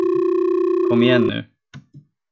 Kom igen nu.